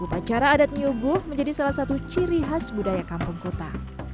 upacara adat nyuguh menjadi salah satu ciri khas budaya kampung kuta